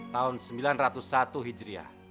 tahun seribu sembilan ratus satu hijriah